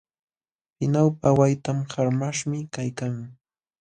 Pinawpa waytan qarmaśhmi kaykan.